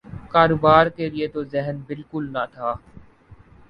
کاروبار کیلئے تو ذہن بالکل نہ تھا۔